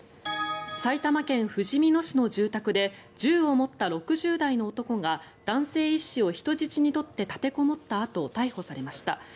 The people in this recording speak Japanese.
埼玉県ふじみ野市の住宅で銃を持った６０代の男が男性医師を人質に取って立てこもったあと逮捕されました。